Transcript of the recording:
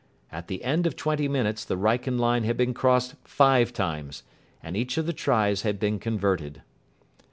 At the end of twenty minutes the Wrykyn line had been crossed five times, and each of the tries had been converted.